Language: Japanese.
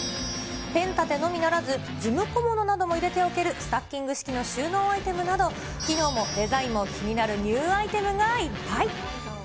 ペン立てのみならず、事務小物なども入れておけるスタッキング式の収納アイテムなど、機能もデザインも気になるニューアイテムがいっぱい。